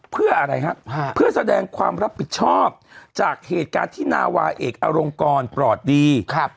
เพื่ออะไรฮะเพื่อแสดงความรับผิดชอบจากเหตุการณ์ที่นาวาเอกอลงกรปลอดดี